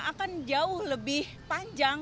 akan jauh lebih panjang